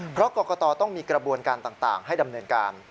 เพราะกรกตต้องมีกระบวนการต่างให้ดำเนินการ